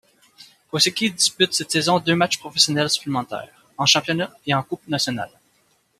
Kosecki dispute cette saison deux matches professionnels supplémentaires, en championnat et en coupe nationale.